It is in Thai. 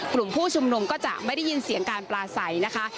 กลุ่มผู้ชุมนุมก็จะไม่ได้ยินเสียงการปลาใสนะคะ